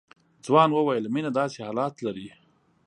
ځوان وويل مينه داسې حالات لري.